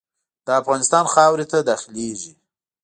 د افغانستان خاورې ته داخلیږي.